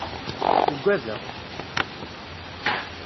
Ugadeɣ.